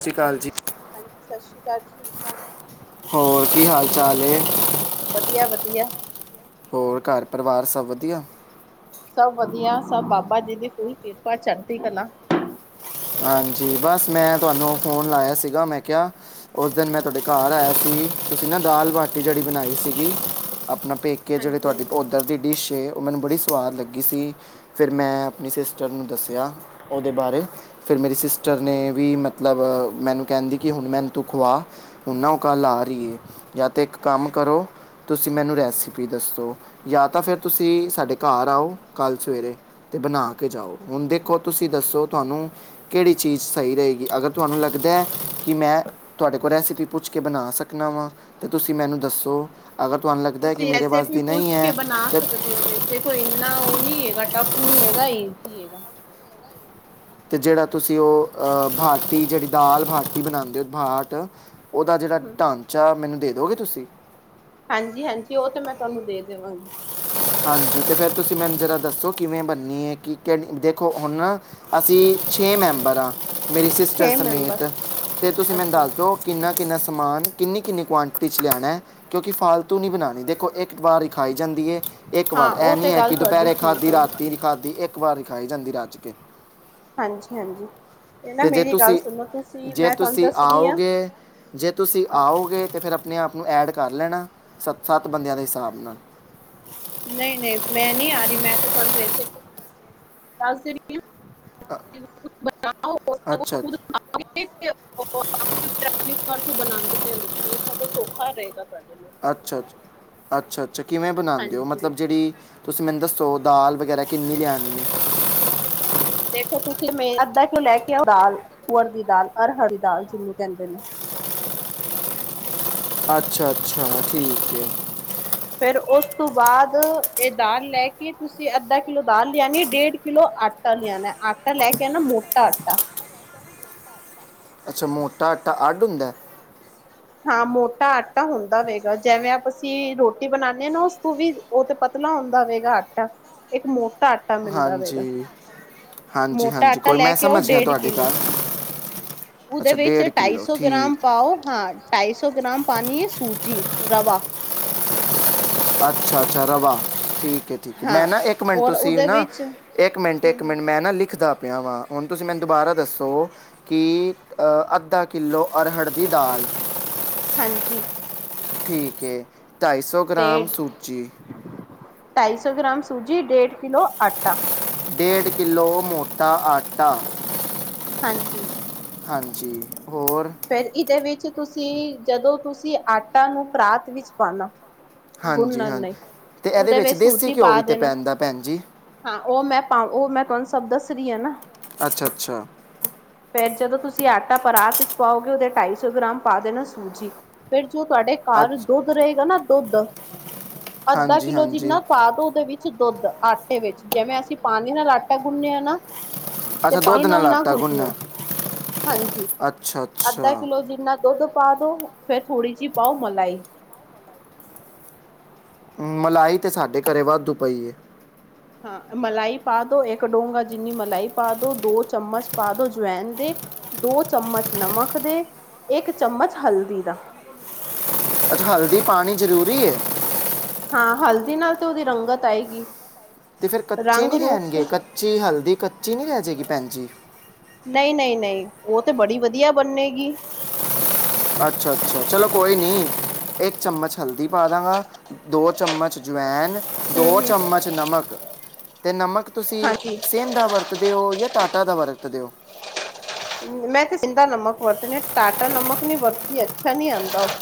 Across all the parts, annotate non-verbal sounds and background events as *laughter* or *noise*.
ਸਤਿ ਸ਼੍ਰੀ ਅਕਾਲ ਜੀ, ਹਾਂਜੀ *unintelligible* ਹੋਰ ਕੀ ਹਾਲ ਚਾਲ ਐ? ਵਧੀਆ ਵਧੀਆ, ਹੋਰ ਘਰ ਪਰਿਵਾਰ ਸਭ ਵਧੀਆ, ਸਭ ਵਧੀਆ ਸਭ ਬਾਬਾ ਜੀ ਦੀ ਫੁੱਲ ਕਿਰਪਾ ਚੜਦੀ ਕਲਾ, ਹਾਂਜੀ ਬਸ ਮੈਂ ਤੁਹਾਨੂੰ ਫ਼ੋਨ ਲਾਇਆ ਸੀਗਾ, ਮੈਂ ਕਿਹਾ ਉਸ ਦਿਨ ਮੈਂ ਤੁਹਾਡੇ ਘਰ ਆਇਆ ਸੀ ਤੁਸੀਂ ਨਾ ਦਾਲ ਬਾਟੀ ਜਿਹੜੀ ਬਣਾਈ ਸੀਗੀ ਆਪਣਾ, ਪੇਕੇ ਜਿਹੜੇ ਹਾਂਜੀ ਤੁਹਾਡੀ ਹਾਂਜੀ। ਉੱਧਰ ਦੀ ਡਿਸ਼ ਐ, ਉਹ ਮੈਨੂੰ ਬੜੀ ਸਵਾਦ ਲੱਗੀ ਸੀ ਫਿਰ ਮੈਂ ਆਪਣੀ ਸਿਸਟਰ ਨੂੰ ਦੱਸਿਆ ਉਹਦੇ ਬਾਰੇ। ਫਿਰ ਮੇਰੀ ਸਿਸਟਰ ਨੇ ਵੀ ਮਤਲਬ ਮੈਨੂੰ ਕਹਿੰਦੀ ਕਿ ਹੁਣ ਮੈਨੂੰ ਤੂੰ ਖਵਾ ਹੁਣ ਨਾ ਉਹ ਕੱਲ ਆ ਰਹੀ ਐ। ਜਾਂ ਤਾਂ ਇੱਕ ਕੰਮ ਅੱਛਾ ਕਰੋ ਅੱਛਾ ਤੁਸੀਂ ਮੈਨੂੰ ਹੂੰ। ਰੈਸਪੀ ਦੱਸੋ, ਜਾਂ ਤਾਂ ਫਿਰ ਤੁਸੀਂ ਸਾਡੇ ਘਰ ਆਓ ਕੱਲ੍ਹ ਸਵੇਰੇ ਅਤੇ ਬਣਾ ਕੇ ਜਾਓ ਹੁਣ ਦੇਖੋ ਤੁਸੀਂ ਦੱਸੋ ਤੁਹਾਨੂੰ ਕਿਹੜੀ ਚੀਜ਼ ਸਹੀ ਰਹੇਗੀ ਅਗਰ ਤੁਹਾਨੂੰ ਲਗਦਾ ਕਿ ਮੈਂ ਤੁਹਾਡੇ ਕੋਲ ਰੈਸਪ ਫ ਪੁੱਛ ਕੇ ਬਣਾ ਸਕਣਾ ਵਾਂ, ਅਤੇ ਤੁਸੀਂ ਮੈਨੂੰ ਦੱਸੋ। ਅਗਰ ਤੁਹਾਨੂੰ ਲੱਗਦਾ ਹੈ ਕਿ ਤੁਸੀਂ ਮੇਰੇ ਐਸੇ ਵਾਸ ਵੀ ਦੀ ਨਹੀਂ ਪੁੱਛ ਹੈ ਕੇ ਬਣਾ ਤੇ ਸਕਦੇ ਹੋ ਵੈਸੇ ਕੋਈ ਇੰਨਾ ਉਹ ਨਹੀਂੀ ਹੈਗਾ। ਟਫ ਨੀ ਹੈਗਾ ਆ ਈਜ਼ੀ ਹੈਗਾ ਅਤੇ ਜਿਹੜਾ ਤੁਸੀਂ ਉਹ ਭਅਤੀ ਜਿਹੜੀ ਦਾਲ ਭਾਤੀ ਬਣਾਦੇ ਹੋ ਭਾਟੀ ਉਹਦਾ ਜਿਹੜਾ ਢਾਂਚਾ ਮੈਨੂੰ, ਦੇ ਦੋਗੇ ਤੁਸੀਂ ਹਾਂਜੀ ਹਾਂਜੀ ਉਹ ਤੇ ਮੈਂ ਤੁਹਾਨੂੰ ਦੇ ਦੇਵਾਂਗੀ, ਹਾਂਜੀ ਅਤੇ ਫਿਰ ਤੁਸੀਂ ਮੈਨੂੰ ਜ਼ਰਾ ਦੱਸੋ ਕਿਵੇਂ ਬਣਨੀ ਹੈ ਕਿ ਕ ਦੇਖੋ ਹੁਣ ਅਸੀਂ ਛੇ ਮੈਂਬਰ ਹਾਂ, ਮੇਰੀ ਸਿਸਟਰ ਛੇ ਮੈਂਬਰ ਸਮੇਤ ਤੇ ਤੁਸੀਂ ਮੈਨੂੰ ਅੱਛਾ ਦੱਸ ਅੱਛਾ ਦਿਓ ਕਿੰਨਾ ਕਿੰਨਾ, ਸਮਾਨ ਕਿੰਨੀ ਕਿੰਨੀ ਕੁਆਂਟਿਟੀ 'ਚ ਲਿਆਣਾ ਹੈ ਕਿਉਂਕਿ ਫਾਲਤੂ ਨਹੀਂ ਬਣਾਣੀ ਦੇਖੋ ਇੱਕ ਵਾਰ ਹੀ ਖਾਈ ਜਾਂਦੀ ਹੈ। ਇੱਕ ਹਾਂ ਵਾਰ ਇਹ ਉਹ ਤੇ ਨੀ ਹੈ ਗੱਲ ਕਿ ਤੁਹਾਡੀ ਦੁਪਹਿਰੇ ਠੀਕ ਖਾਧੀ ਹੈ। ਰਾਤੀ ਨੀ ਖਾਧੀ ਇੱਕ ਵਾਰ ਖਾਈ ਜਾਂਦੀ ਰਜ ਕੇ, ਹਾਂਜੀ ਹਾਂਜੀ। ਨਾ ਤੇ ਜੇ ਮੇਰੀ ਗੱਲ ਤੁਸੀਂ ਸੁਣੋ ਤੁਸੀਂ ਜੇ ਮੈਂ ਤੁਹਾਨੂੰ ਤੁਸੀਂ ਦੱਸ ਰਹੀ ਹਾਂ। ਆਓਗੇ, ਜੇ ਤੁਸੀਂ ਆਓਗੇ ਤਾਂ ਫਿਰ ਆਪਣੇ ਆਪ ਉਸਨੂੰ ਐਡ ਕਰ ਲੈਣਾ ਸੱਤ ਸੱਤ ਬੰਦਿਆਂ ਦੇ ਹਿਸਾਬ ਨਾਲ ਨਹੀਂ ਨਹੀਂ ਮੈਂ ਨਹੀਂ ਆ ਰਹੀ ਮੈਂ, ਬਣਾਉਦੇ *unintelligible* ਅੱਛਾ ਅੱਛਾ ਉਹ ਸਗੋ ਸੌਖਾ ਰਹੇਗਾ। ਤੁਹਾਡੇ ਲਈ ਅੱਛਾ ਅੱਛਾ ਅੱਛਾ ਅੱ ਕਿਵੇਂ ਬਣਾਉਂਦੇ ਹੋ ਹਾਂਜੀ ਮਤਲਬ ਜਿਹੜੀ ਤੁਸੀਂ ਮੈਨੂੰ ਦੱਸੋ ਦਾਲ ਵਗੈਰਾ ਕਿੰਨੀ ਲਿਆਉਣੀ ਹੈ ਦੇਖੋ ਤੁਸੀਂ ਮੇਰਾ ਅੱਧਾ ਕਿਉ ਲੈ ਕੇ ਆਓ ਦਾਲ ਤੂਅਰ ਦੀ ਦਾਲ ਅਰਹਰ ਦੀ ਦਾਲ ਜਿਹਨੂੰ ਕਹਿੰਦੇ ਨੇ ਅੱਛਾ ਅੱਛਾ ਠੀਕ ਹੈ ਫੇਰ ਉਸ ਤੋਂ ਬਾਅਦ ਇਹ ਦਾਲ ਲੈ ਕੇ ਤੁਸੀਂ ਅੱਧਾ ਕਿਲੋ ਦਾਲ ਲਿਆਣੀ ਡੇਢ ਕਿੱਲੋ ਆਟਾ ਲਿਆਣੈ ਆਟਾ ਲੈ ਕੇ ਆਣਾ ਮੋਟਾ ਆਟਾ ਅੱਛਾ ਮੋਟਾ ਆਟਾ ਅੱਡ ਹੁੰਦੈ ਹਾਂ ਮੋਟਾ ਆਟਾ ਹੁੰਦਾ ਵੇਗਾ ਜਿਵੇਂ ਆਪ ਅਸੀਂ ਰੋਟੀ ਬਣਾਉਦੇ ਹਾਂ ਨਾ ਉਸ ਤੋਂ ਵੀ ਉਹ ਤੇ ਪਤਲਾ ਹੁੰਦਾ ਵੇਗਾ ਆਟਾ ਇੱਕ ਮੋਟ ਟਾ ਆਟਾ ਮਿਲਦਾ ਵਵੇਗਾ ਹਾਂਜੀ ਹਾਂਜੀ ਮੋਟਾ ਹਾਂਜੀ ਆਟਾ ਕੋਈ ਲੈ ਮੈਂ ਕੇ ਆਓ ਸਮਝ ਗਿਆ ਡੇਢ ਤੁਹਾਡੀ ਕਿਲੋ ਗੱਲ ਉਹਦੇ ਅੱਛਾ ਵਿੱਚ ਢਾਈ ਕਿਲੋ ਸੌ ਗ੍ਰਾਮ ਠੀਕ ਪਾਓ ਹਾਂ ਸੌ ਗ੍ਰਾਮ ਪਾਣੀ ਹੈ ਸੂਜੀ ਰਵਾ ਅੱਛਾ ਅੱਛਾ ਰਵਾ ਠੀਕ ਠੀਕ ਠੀਕ ਹਾਂ ਮੈਂ ਨਾ ਇੱਕ ਮਿੰਟ ਔਰ ਤੁਸੀਂ ਉਹਦੇ ਨਾ ਵਿੱਚ ਹਮ ਇੱਕ ਮਿੰਟ ਇੱਕ ਹਮ ਮਿੰਟ ਮੈਂ ਨਾ ਲਿਖਦਾ ਪਿਆ ਵਾਂ ਹੁਣ ਤੁਸੀਂ ਮੈਨੂੰ ਦੁਬਾਰਾ ਦੱਸੋ ਕਿ ਅੱਧਾ ਕਿੱਲੋ ਅਰਹੜ ਦੀ ਦਾਲ ਹਾਂਜੀ ਠੀਕ ਏ ਢਾਈ ਸੌ ਤੇ ਗ੍ਰਾਮ ਸੂਜੀ ਢਾਈ ਸੌ ਗ੍ਰਾਮ ਸੂਜੀ ਡੇਢ ਕਿਲੋ ਆਟਾ ਡੇਢ ਕਿੱਲੋ ਮੋਟਾ ਆਟਾ ਹਾਂਜੀ ਹਾਂਜੀ ਹੋਰ ਫੇਰ ਇਹਦੇ ਵਿੱਚ ਤੁਸੀਂ ਜਦੋਂ ਤੁਸੀਂ ਆਟਾ ਨੂੰ ਪਰਾਤ ਵਿੱਚ ਪਾਣਾ ਹਾਂਜੀ ਗੁੰਨਣ ਹਾਂਜੀ ਲਈ ਤੇ ਇਹਦੇ ਉਹਦੇ ਵਿੱਚ ਦੇਸੀ ਸੂਜੀ ਘਿਓ ਪਾ ਵੀ ਤੇ ਦੇਣਾ ਪੈਂਦਾ ਭੈਣ ਜੀ ਹਾਂ ਉਹ ਮੈਂ ਪਾ ਉਹ ਮੈਂ ਤੁਹਾਨੂੰ ਸਭ ਦੱਸ ਰਹੀ ਆ ਨਾ ਅੱਛਾ ਅੱਛਾ ਫੇਰ ਜਦੋਂ ਤੁਸੀਂ ਅੱਠ ਤਾ ਪਰਾਤ, ਪਾਓਗੇ ਉਹਦੇ ਢਾਈ ਸੌ ਗ੍ਰਾਮ ਪਾ ਦੇਣਾ ਸੂਜੀ ਫਿਰ, ਜੋ ਤੁਹਾਡੇ ਘਰ ਅੱਛ ਦੁੱਧ ਰਹੇਗਾ ਨਾ ਦੁੱਧ ਅੱਧਾ ਹਾਂਜੀ ਕਿਲੋ ਹਾਂਜੀ ਜਿੰਨਾ ਪਾਦੋ ਉਹਦੇ ਵਿੱਚ ਦੁੱਧ ਆਟੇ ਵਿੱਚ ਜਿਵੇਂ ਅਸੀਂ ਪਾਣੀ ਨਾਲ ਆਟਾ ਗੁਨਿਆ ਨਾ, ਤੇ ਅੱਛਾ ਪਾਣੀ ਦੁੱਧ ਨਾਲ ਨਾ ਆਟਾ ਗੁੰਨਨੇ ਗੁੰਨੋ ਹਾਂਜੀ ਅੱਛਾ। ਅੱਧਾ ਅੱਛਾ ਕਿਲੋ ਜਿੰਨਾ, ਦੁੱਧ ਪਾ ਦੋ ਫੇਰ ਥੋੜ੍ਹੀ ਜਿਹੀ ਪਾਓ ਮਲਾਈ, ਮਲਾਈ ਤੇ ਸਾਡੇ ਘਰੇ ਵਾਧੂ ਪਈ ਏ, ਹਾਂ ਮਲਾਈ ਪਾ ਦਉ ਇੱਕ ਡੋਂਗਾ ਜਿੰਨੀ ਮਲਾਈ ਪਾ ਦਉ ਦੋ ਚਮਚ ਪਾ ਦਉ ਜਵੈਨ ਦੇ ਦੋ ਚਮਚ ਨਮਕ ਦੇ ਇੱਕ ਚਮਚ ਹਲਦੀ ਦਾ। ਅੱਛਾ, ਹਲਦੀ ਪਾਣੀ ਜ਼ਰੂਰੀ ਏ? ਹਾਂ, ਹਲਦੀ ਨਾਲ ਤੇ ਉਹਦੀ ਰੰਗਤ ਆਏਗੀ। ਤੇ ਫੇਰ ਕੱਚੇ ਰੰਗ ਨੀ ਰੂਪ ਰਹਿਣਗੇ ਕੱਚੀ ਹਲਦੀ ਕੱਚੀ ਨੀ ਰਹਿ ਜਾਏਗੀ ਭੈਣ ਜੀ। ਨਹੀਂ-ਨਹੀਂ-ਨਹੀਂ ਉਹ ਤੇ ਬੜੀ ਵਧੀਆ ਬੰਨੇਗੀ। ਅੱਛਾ-ਅੱਛਾ ਚਲੋ ਕੋਈ ਨਹੀਂ ਇੱਕ, ਚਮਚ, ਹਲਦੀ ਪਾ ਦਾਂਗਾ ਦੋ ਚਮਚ ਜਵੈਨ ਹੂੰ ਦੋ ਹੂੰ ਚਮਚ ਨਮਕ, ਤੇ ਨਮਕ, ਤੁਸੀਂ ਹਾਂਜੀ ਸੇਦਾ ਵਰਤਦੇ ਹੋ ਜਾਂ ਟਾਟਾ ਨਮਕ, ਵਰਤ ਦਿਓ, ਮੈਂ ਤੇ ਸ਼ਿੰਦਾ ਨਮਕ ਵਰਤਣੀ ਟਾਟਾ ਨਮਕ ਨੀ ਵਰਤੀ ਦੀ ਅੱਛਾ ਨੀ ਆਦਾ ਉਹ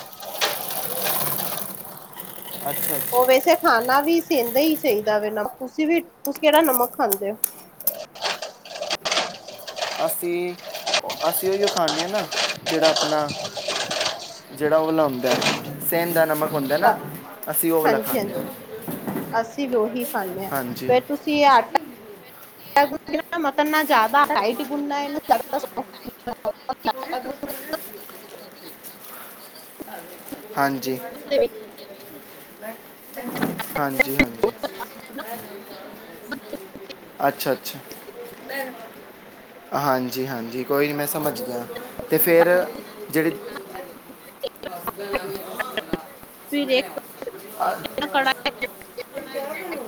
ਅੱਛਾ ਅੱਛਾ ਉਹ ਵੈਸੇ ਖਾਣਾ ਵੀ, ਸਿੰਦਾ ਹੀ ਚਾਹੀਦਾ ਵੇ ਨਮਕ, ਤੁਸੀਂ ਵੀ ਤੁਸੀ ਕਿਹੜਾ ਨਮਕ ਖਾਂਦੇ ਹੋ? ਅਸੀਂ-ਅਸੀਂ ਉਹੀਓ ਖਾਨੇ ਆ ਨਾ ਜਿਹੜਾ ਆਪਣਾ ਜਿਹੜਾ ਉਹ ਵਾਲਾ ਹੁੰਦਾ ਸੇਦਾ ਨਮਕ, ਹੁੰਦਾ ਹੈ ਨਾ ਅਸੀਂ ਉਹ ਵਾਲਾ ਹਾਂਜੀ-ਹਾਂਜੀ ਖਾਂਦੇ ਹਾਂ ਅਸੀਂ ਵੀ ਉਹੀ ਖਾਂਦੇ ਹਾਂ ਹਾਂਜੀ ਫੇਰ ਤੁਸੀਂ ਇਹ ਆਟਾ, ਮਤਲਬ ‌ ਨਾ ਜ਼ਿਆਦਾ ਟਾਈਟ ਗੁੰਨਣਾ ਨਾ ਜ਼ਿਆਦਾ ਸੋਫਟ, ਉਹ *unintelligible* *inaudible* ਹਾਂਜੀ, ਗੁੰਨਣਾ ਹੈ। *inaudible* ਜੀ ਹਾਂਜੀ, ਅੱਛਾ-ਅੱਛਾ, ਹਾਂਜੀ-ਹਾਂਜੀ, ਕੋਈ ਨਹੀਂ ਮੈਂ ਸਮਝ ਗਿਆ ਤੇ ਫਿਰ ਜਿਹੜੀ, ਫਿਰ ਇੱਕ ਕੜਾਹੀ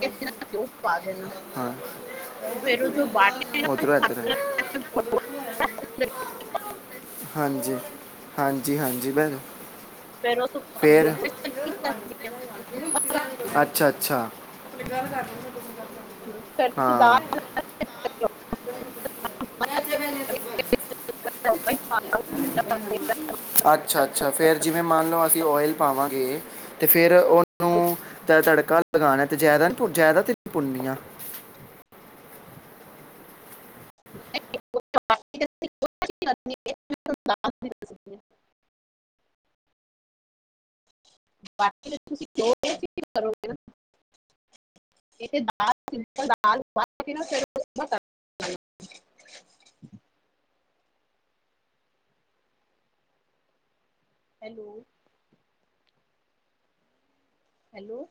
ਵਿੱਚ ਘਿਓ ਪਾ ਦੇਣਾ *unintelligible* ਹਾਂ ਫੇਰ ਉਹ ਜੋ ਬਾਟੀਆਂ ਨਾ ਉਧਰੋਂ ਇਧਰ ਆਈ ਹਾਂਜੀ, ਹਾਂਜੀ, ਹਾਂਜੀ ਭੈਣ। ਫੇਰ ਉਸ ਤੋਂ ਬਾਅਦ ਘਿਓ ਫੇਰ ਵਿੱਚ ਚਲੀ ਜਾਂਦੀਆਂ ਅੱਛਾ ਅੱਛਾ, ਅੱਛਾ। ਫੇਰ ਤੁਸੀਂ ਹਾਂ ਦਾਲ ਅੱਛਾ, ਅੱਛਾ ਫੇਰ ਜਿਵੇਂ ਮੰਨ ਲਓ ਅਸੀਂ ਉਹ ਓਇਲ ਪਾਵਾਂਗੇ ਤੇ ਫਿਰ ਉਹਨੂੰ ਤ ਤੜਕਾ ਲਗਾਣਾ ਤੇ ਜ਼ਿਆਦਾ ਨੀ ਭੁੰ ਜ਼ਿਆਦਾ ਤੇ ਨੀ ਭੁੰਨਨੀਆਂ। *inaudible* ਬਾਕੀ ਤੁਸੀ ਕਰੋਗੇ *inaudible* ਹੈਲੋ, ਹੈਲੋ,